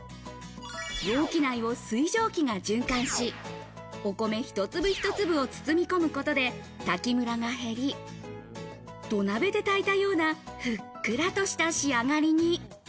容器内を水蒸気が循環し、お米一粒一粒を包み込むことで炊きムラが減り、土鍋で炊いたような、ふっくらとした仕上がりに。